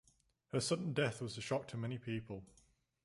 Her sudden death was a shock to many people.